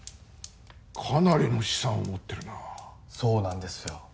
かなりの資産を持ってるなそうなんですよ